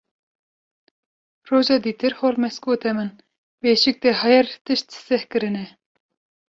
Roja dîtir Holmes gote min: Bêşik te her tişt seh kirine.